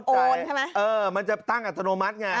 ใช่ไหมเออมันจะตั้งอัตโนมัติไง